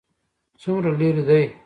څومره لیرې دی؟